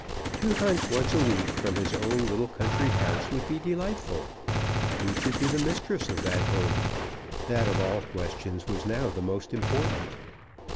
To hunt once a week from his own little country house would be delightful. Who should be the mistress of that home? That of all questions was now the most important.